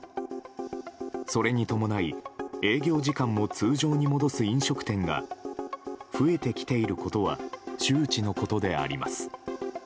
それに伴い営業時間も通常に戻す飲食店が増えてきていることは周知のことであります。